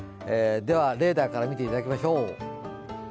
レーダーから見ていただきましょう。